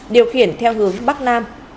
điều khiển theo hướng bắc nam